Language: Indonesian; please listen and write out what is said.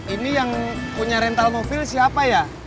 ini yang punya rental mobil siapa ya